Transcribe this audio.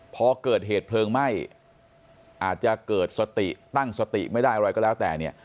พอเกิดเหตุเพลิงไหม้อาจจะเกิดสติตั้งสติไม่ได้อะไรก็แล้วแต่เนี่ย